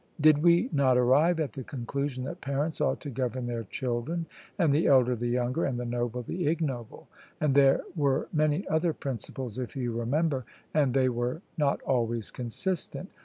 Did we not arrive at the conclusion that parents ought to govern their children, and the elder the younger, and the noble the ignoble? And there were many other principles, if you remember, and they were not always consistent.